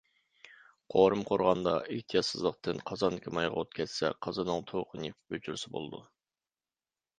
قورۇما قورۇغاندا ئېھتىياتسىزلىقتىن قازاندىكى مايغا ئوت كەتسە، قازاننىڭ تۇۋىقىنى يېپىپ ئۆچۈرسە بولىدۇ.